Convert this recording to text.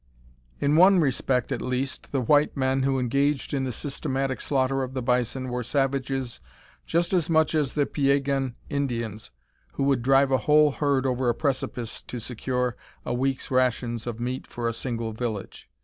In one respect, at least, the white men who engaged in the systematic slaughter of the bison were savages just as much as the Piegan Indians, who would drive a whole herd over a precipice to secure a week's rations of meat for a single village.